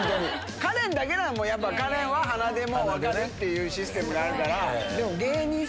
カレンだけだもん、やっぱ、カレンは鼻でもう分かるっていうシステムがあるから。